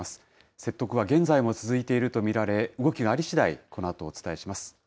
説得は現在も続いていると見られ、動きがありしだい、このあとお伝えします。